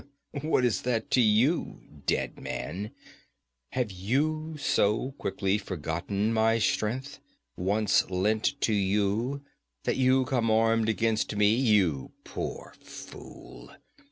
'What is that to you, dead man? Have you so quickly forgotten my strength, once lent to you, that you come armed against me, you poor fool?